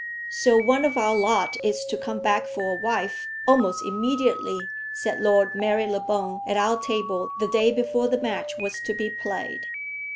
"So one of our lot is to come back for a wife, almost immediately," said Lord Marylebone at our table the day before the match was to be played.